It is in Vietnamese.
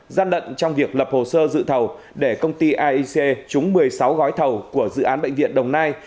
gian lận trong việc lập hồ sơ dự thầu để công ty aic trúng một mươi sáu gói thầu của dự án bệnh viện đồng nai